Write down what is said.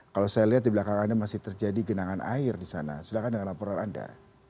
kalau saya lihat di belakang anda masih terjadi genangan air di sana silahkan dengan laporan anda